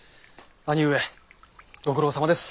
兄上ご苦労さまです。